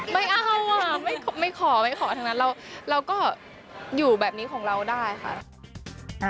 ไม่เอาอ่ะไม่ขอไม่ขอทั้งนั้นเราก็อยู่แบบนี้ของเราได้ค่ะ